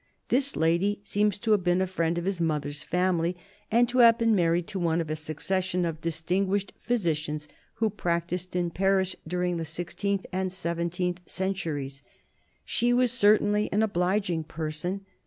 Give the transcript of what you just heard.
This lady seems to have been a friend of his mother's family, and to have been married to one of a succession of distinguished physicians who practised in Paris during the sixteenth and seventeenth centuries. She was certainly an obliging person.